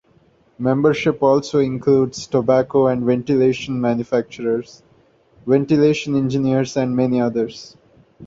Membership also includes tobacco and ventilation manufacturers, ventilation engineers and many others.